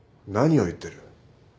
何を言ってる。